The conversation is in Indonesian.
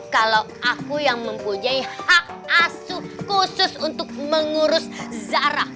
kalau aku yang mempunyai hak asuh khusus untuk mengurus zarah